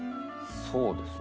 そうですね。